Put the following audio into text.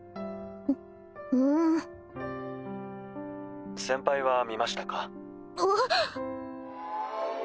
ふふん先輩は見ましたか？